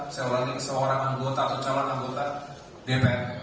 seorang anggota atau calon anggota bpn